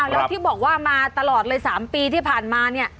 แล้วที่บอกว่ามาตลอดเลย๓ปีที่ผ่านมาเนี่ย